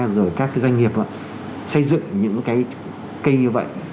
rồi các cái doanh nghiệp xây dựng những cái cây như vậy